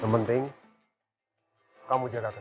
yang penting kamu jaga